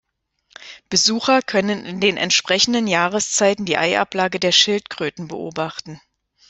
Besucher können in den entsprechenden Jahreszeiten die Eiablage der Schildkröten beobachten.